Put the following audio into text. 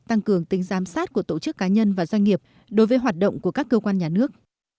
tăng cường tính giám sát của tổ chức cá nhân và doanh nghiệp đối với hoạt động của các cơ quan nhà nước